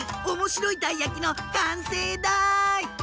おもしろいたいやきのかんせいだい！